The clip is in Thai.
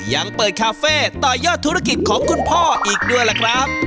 ยังเปิดคาเฟ่ต่อยอดธุรกิจของคุณพ่ออีกด้วยล่ะครับ